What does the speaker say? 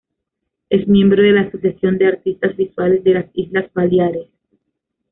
Es miembro de la Asociación de Artistas Visuales de las Islas Baleares.